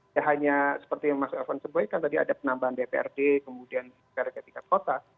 ya hanya seperti yang mas irvan sebutkan tadi ada penambahan dprd kemudian perketikaan kota